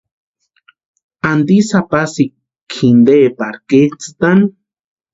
¿Antisï apasikwa jintee pari ketsʼïtani?